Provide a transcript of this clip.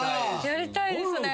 やりたいですね。